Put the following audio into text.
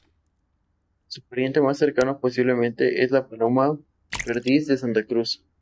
Su pariente más cercano posiblemente es la paloma perdiz de Santa Cruz.